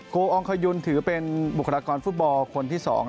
กองขยุนถือเป็นบุคลากรฟุตบอลคนที่๒